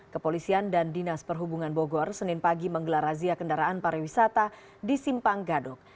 kepolisian dan dinas perhubungan bogor senin pagi menggelar razia kendaraan pariwisata di simpang gadok